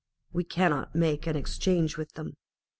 We cannot make an exchange with them.